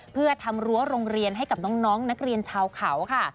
เพื่อทำรั้วโรงเรียนให้กับน้องนักเรียนชาวเขาค่ะ